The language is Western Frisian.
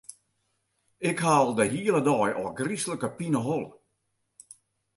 Ik ha al de hiele dei ôfgryslike pineholle.